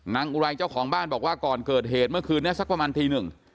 อุไรเจ้าของบ้านบอกว่าก่อนเกิดเหตุเมื่อคืนนี้สักประมาณตีหนึ่ง